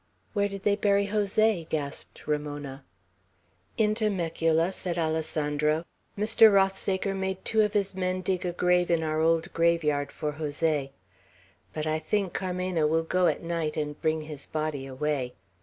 "Where did they bury Jose?" gasped Ramona. "In Temecula," said Alessandro. "Mr. Rothsaker made two of his men dig a grave in our old graveyard for Jose. But I think Carmena will go at night and bring his body away.